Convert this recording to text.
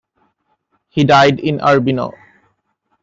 He died in Urbino.